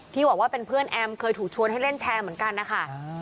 บอกว่าเป็นเพื่อนแอมเคยถูกชวนให้เล่นแชร์เหมือนกันนะคะ